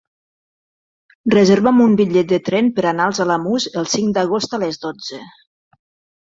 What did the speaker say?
Reserva'm un bitllet de tren per anar als Alamús el cinc d'agost a les dotze.